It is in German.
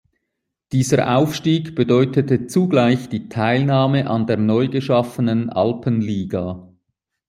Dieser Aufstieg bedeutete zugleich die Teilnahme an der neu geschaffenen Alpenliga.